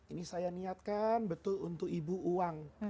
ini saya niatkan betul untuk ibu uang